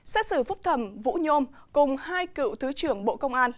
xét xử phúc thẩm vũ nhôm cùng hai cựu thứ trưởng bộ công an